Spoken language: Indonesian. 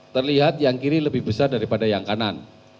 terlihat yang kiri lebih besar daripada yang kanan